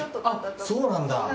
あっそうなんだ。